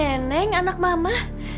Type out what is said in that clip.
eh neneng anak mama